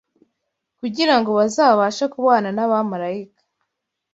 kugira ngo bazabashe kubana n’abamarayika